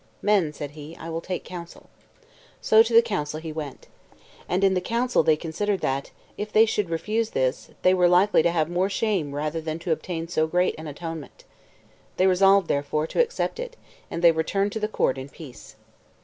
"Men," said he, "I will take counsel." So to the council he went. And in the council they considered that, if they should refuse this, they were likely to have more shame rather than to obtain so great an atonement. They resolved, therefore, to accept it, and they returned to the court in peace.